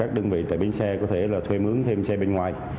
các đơn vị tại bên xe có thể thuê mướn thêm xe bên ngoài